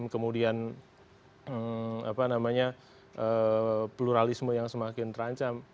kemudian apa namanya pluralisme yang semakin terancam